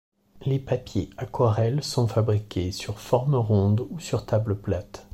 Les papiers aquarelles sont fabriqués sur forme ronde ou sur table plate.